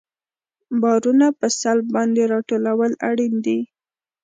بارونه په سلب باندې راټولول اړین دي